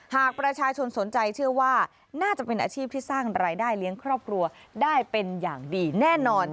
หากประชาชนสนใจเชื่อว่าน่าจะเป็นอาชีพที่สร้างรายได้เลี้ยงครอบครัวได้เป็นอย่างดีแน่นอน